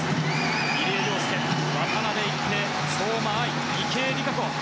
入江陵介、渡辺一平相馬あい、池江璃花子。